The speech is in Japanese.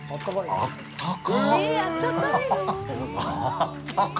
あったか！